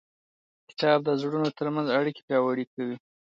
کتاب د زړونو ترمنځ اړیکې پیاوړې کوي.